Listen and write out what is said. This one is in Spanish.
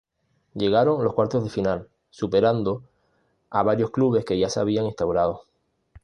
Llegaron los cuartos de final, superando a varios clubes que ya se habían instaurado.